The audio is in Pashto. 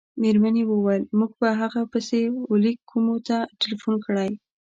مېرمنې وویل: موږ په هغه پسې وه لېک کومو ته ټېلیفون کړی.